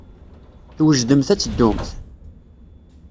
Twejdemt ad teddumt?